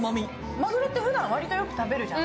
まぐろってふだん割とよく食べるじゃん。